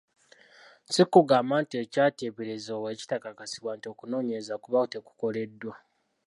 Si kugamba nti ekyateeberezebwa bwe kitakakasibwa nti okunoonyereza kuba tekukoleddwa?